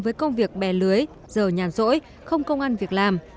với công việc bè lưới giờ nhàn rỗi không công an việc làm